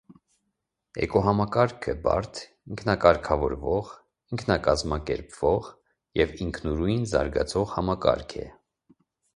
Էկոհամակարգը բարդ ինքնակարգավորվող, ինքնակազմակերպվող և ինքնուրույն զարգացող համակարգ է։